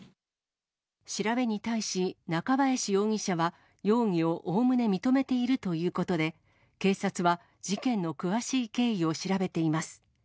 調べに対し、中林容疑者は、容疑をおおむね認めているということで、警察は事件の詳しい経緯を調べています。